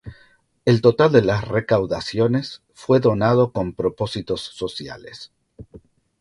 El total de las recaudaciones fue donado con propósitos sociales.